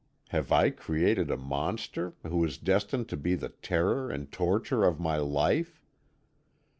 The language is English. Have I created a monster who is destined to be the terror and torture of my life?